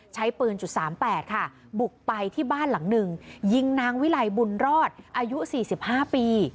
ใช้ปืนจุด๓๘ค่ะบุกไปที่บ้านหลังหนึ่งยิงนางวิลัยบุญรอดอายุ๔๕ปี